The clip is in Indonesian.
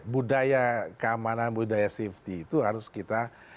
budaya keamanan budaya safety itu harus kita